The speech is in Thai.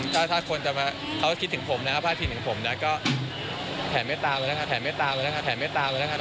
ก็ถ้าคนจะมาเขาคิดถึงผมนะครับพลาดผิดถึงผมนะครับก็แผ่นไม่ตามเลยนะครับแผ่นไม่ตามเลยนะครับแผ่นไม่ตามเลยนะครับ